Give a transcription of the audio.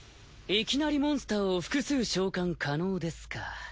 いきなりモンスターを複数召喚可能ですか。